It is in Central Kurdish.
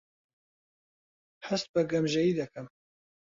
هەست بە گەمژەیی دەکەم.